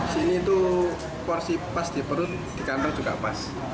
sini itu porsi pas di perut di kantong juga pas